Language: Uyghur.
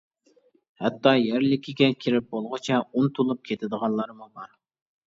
ھەتتا يەرلىكىگە كىرىپ بولغۇچە ئۇنتۇلۇپ كېتىدىغانلارمۇ بار.